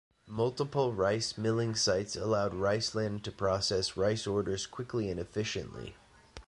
Multiple rice milling sites allow Riceland to process rice orders quickly and efficiently.